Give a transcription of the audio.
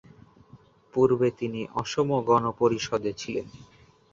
পূর্বে তিনি অসম গণ পরিষদে ছিলেন।